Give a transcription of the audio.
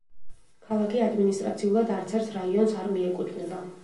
ქალაქი ადმინისტრაციულად არცერთ რაიონს არ მიეკუთვნება.